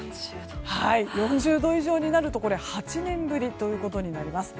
４０度以上になると８年ぶりということになります。